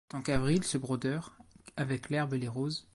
Tant qu'avril, ce brodeur, avec l'herbe et les roses